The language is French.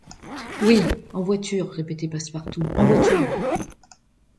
Oui! en voiture, répétait Passepartout, en voiture !